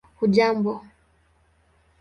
hujambo